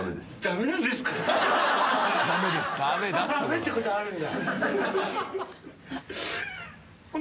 駄目ってことあるんだ。